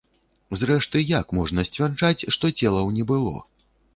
Зрэшты, як можна сцвярджаць, што целаў не было?